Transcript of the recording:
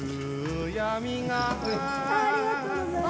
ありがとうございます。